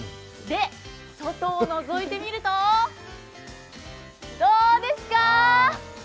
外をのぞいてみるとどうですか！